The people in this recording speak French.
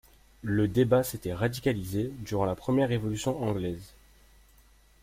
Le débat s’était radicalisé durant la Première Révolution anglaise.